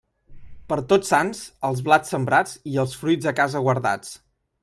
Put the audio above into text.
Per Tots Sants, els blats sembrats i els fruits a casa guardats.